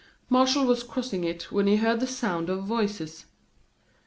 Martial was crossing it, when he heard the sound of voices.